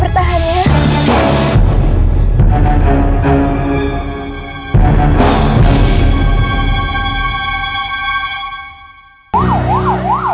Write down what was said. kamu bertahan ya iya ya